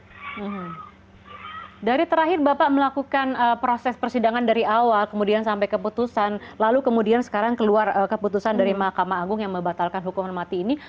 hmm dari terakhir bapak melakukan proses persidangan dari awal kemudian sampai keputusan lalu kemudian sekarang keluar keputusan dari mahkamah agung yang membatalkan hukuman mati ini